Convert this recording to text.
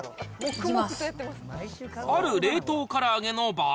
ある冷凍から揚げの場合。